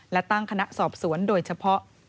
และตั้งคณะสอบสวนโดยเฉพาะ